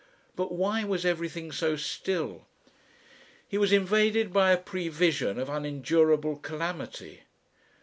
But why was everything so still? He was invaded by a prevision of unendurable calamity.